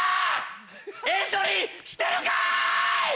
エントリーしてるかい！